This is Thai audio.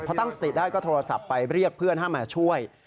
พอตั้งสติได้ก็โทรศัพท์ไปเรียกเพื่อนให้มาช่วย